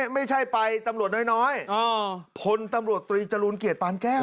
ไม่ใช่ไปตำรวจน้อยพลตำรวจตรีจรูลเกียรติปานแก้ว